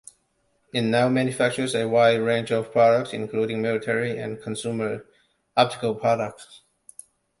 It now manufactures a wide range of products, including military and consumer optical products.